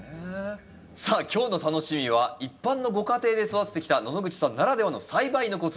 さあ今日の楽しみは一般のご家庭で育ててきた野々口さんならではの栽培のコツ。